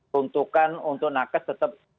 peruntukan untuk nakas tetap